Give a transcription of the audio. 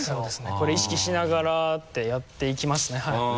これ意識しながらってやっていきますね。